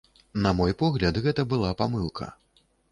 На мой погляд, гэта была памылка.